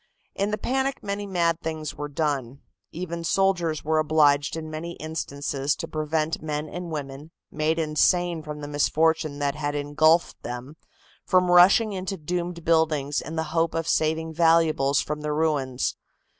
In the panic many mad things were done. Even soldiers were obliged in many instances to prevent men and women, made insane from the misfortune that had engulfed them, from rushing into doomed buildings in the hope of saving valuables from the ruins.